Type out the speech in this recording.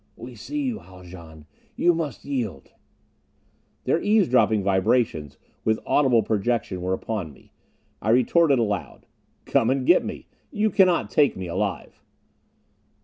"We see you, Haljan! You must yield!" Their eavesdropping vibrations, with audible projection, were upon me. I retorted aloud. "Come and get me! You cannot take me alive."